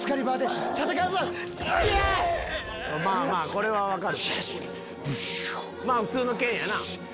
これは分かる。